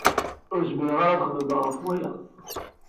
Ur zmireɣ ad xemmemeɣ ɣef waya.